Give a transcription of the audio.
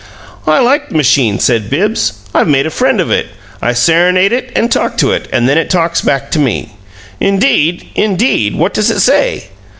"I like the machine," said Bibbs. "I've made a friend of it. I serenade it and talk to it, and then it talks back to me." "Indeed, indeed? What does it say?"